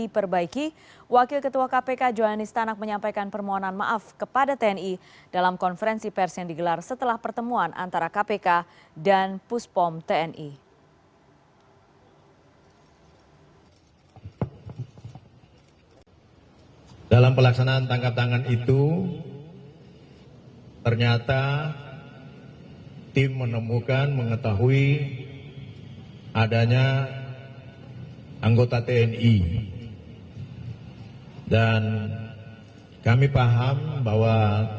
pertanyaan kedua untuk marsjah h a